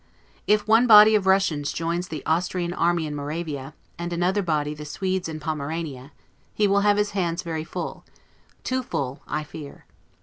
If one body of Russians joins the Austrian army in Moravia, and another body the Swedes in Pomerania, he will have his hands very full, too full, I fear.